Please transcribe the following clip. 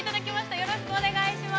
よろしくお願いします。